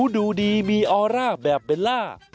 ดูดีมีอาร่าแบบเวลา